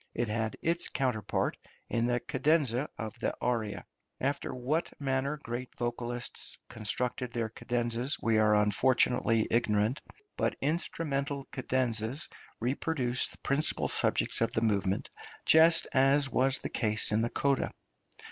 It had its counterpart in the cadenza of the aria. After what manner great vocalists constructed their cadenzas we are unfortunately ignorant, but instrumental cadenzas reproduced the principal subjects of the movement, just as was the case in the coda.